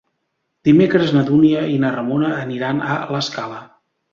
Dimecres na Dúnia i na Ramona aniran a l'Escala.